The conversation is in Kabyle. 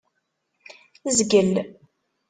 Zgel.